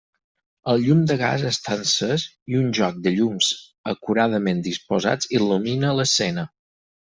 El llum de gas està encès, i un joc de llums acuradament disposats il·lumina l'escena.